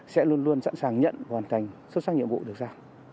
sẽ luôn luôn sẵn sàng nhận hoàn thành xuất sắc nhiệm vụ được giao